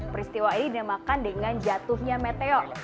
peristiwa ini dinamakan dengan jatuhnya meteor